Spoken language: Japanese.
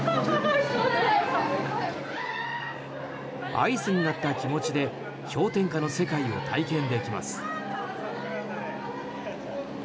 アイスになった気持ちで氷点下の世界を体験できます。